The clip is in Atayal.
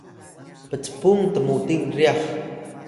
pcpung tmuting ryax